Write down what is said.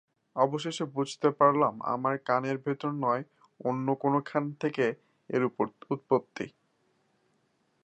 অবশেষে বুঝতে পারলাম আমার কানের ভেতর নয়, অন্য কোনোখান থেকে এর উৎপত্তি।